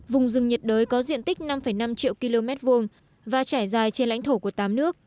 vùng rừng nhiệt đới có diện tích năm năm triệu km hai và trải dài trên lãnh thổ của tám nước